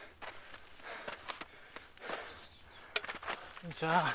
こんにちは。